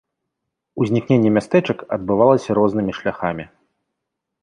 Узнікненне мястэчак адбывалася рознымі шляхамі.